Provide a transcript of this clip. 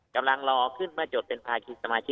กำลังรอขึ้นเมื่อจดเป็นภาคีสมาชิก